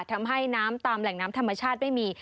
ทำให้น้ำตามแหล่งน้ำธรรมชาติไม่มี